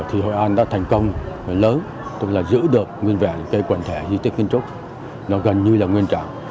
hội an đã thành công lớn giữ được nguyên vẹn quần thể di tích kiến trúc gần như nguyên trạng